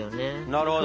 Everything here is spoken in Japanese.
なるほど。